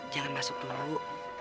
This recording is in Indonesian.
jangan masuk dulu